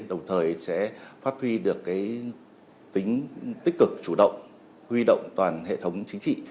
đồng thời sẽ phát huy được tính tích cực chủ động huy động toàn hệ thống chính trị